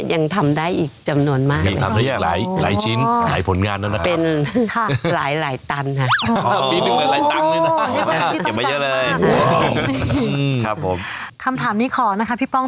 อยากรู้ค่ะว่าคุณแม่มีนิน